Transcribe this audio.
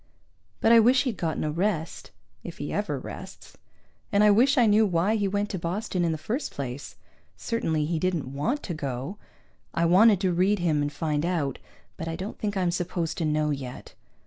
But I wish he'd gotten a rest, if he ever rests! And I wish I knew why he went to Boston in the first place. Certainly he didn't want to go. I wanted to read him and find out, but I don't think I'm supposed to know yet.